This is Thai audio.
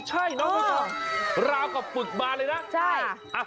ใช่นะครับเราก็ฝึกมาเลยนะ